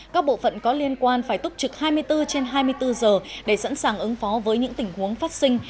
các bộ phận có liên quan phải túc trực hai mươi bốn trên hai mươi bốn giờ để sẵn sàng ứng phó với những tình huống phát sinh